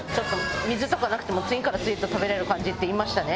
水とかなくても次から次へと食べられる感じって言いましたね？